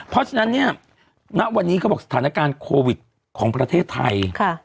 เพราะฉะนั้นเนี่ยณวันนี้เขาบอกสถานการณ์โควิดของประเทศไทย